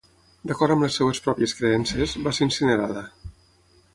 D'acord amb les seves pròpies creences, va ser incinerada.